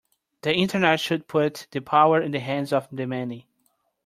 The Internet should put the power in the hands of the many.